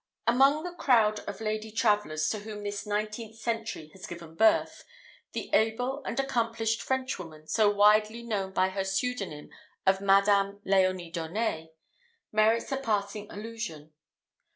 Among the crowd of lady travellers to whom this nineteenth century has given birth, the able and accomplished Frenchwoman, so widely known by her pseudonym of Madame Léonie d'Aunet, merits a passing allusion.